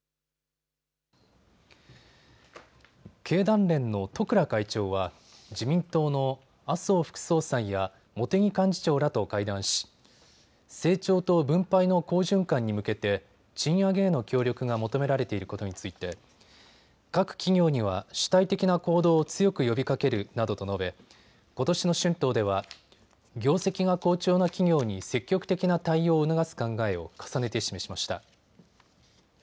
経団連の十倉会長は自民党の麻生副総裁や茂木幹事長らと会談し成長と分配の好循環に向けて賃上げへの協力が求められていることについて各企業には主体的な行動を強く呼びかけるなどと述べことしの春闘では業績が好調な企業に積極的な対応を促す考えを重ねて示しました。